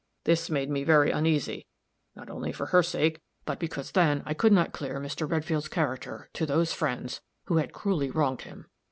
This made me very uneasy not only for her sake, but because then I could not clear Mr. Redfield's character to those friends who had cruelly wronged him.